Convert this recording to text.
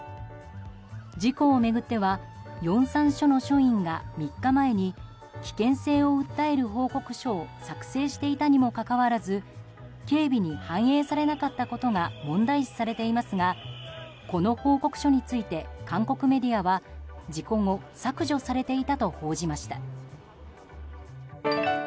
事故を巡ってはヨンサン署の署員が３日前に危険性を訴える報告書を作成していたにもかかわらず警備に反映されなかったことが問題視されていますがこの報告書について韓国メディアは事故後、削除されていたと報じました。